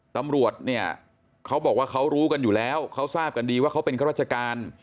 ตำรวจเนี่ยเขาบอกว่าเขารู้กันอยู่แล้วเขาทราบกันดีว่าเขาเป็นข้าราชการ